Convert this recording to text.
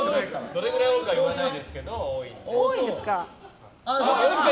どれくらい多いかは言わないですけど。